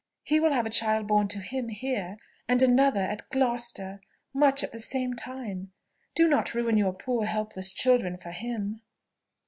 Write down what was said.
He will have a child born to him here, and another at Gloucester, much at the same time. Do not ruin your poor helpless children for him!"